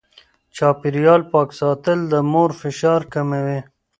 چاپېريال پاک ساتل د مور فشار کموي.